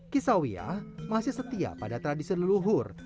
kisawiyah masih setia pada tradisi leluhur